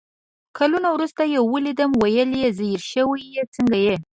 کالونه ورورسته يې ويلدم ول يې ځير شوي يې ، څنګه يې ؟